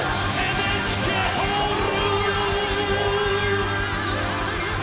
ＮＨＫホール！